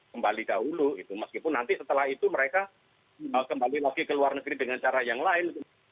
kembali dahulu gitu meskipun nanti setelah itu mereka kembali lagi ke luar negeri dengan cara yang lain